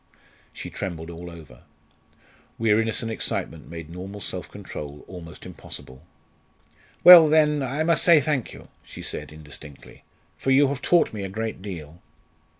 She trembled all over. Weariness and excitement made normal self control almost impossible. "Well, then, I must say thank you," she said indistinctly, "for you have taught me a great deal."